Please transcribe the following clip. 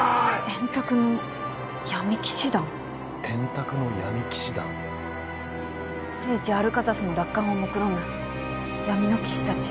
円卓の闇騎士団？聖地アルカザスの奪還をもくろむ闇の騎士たち。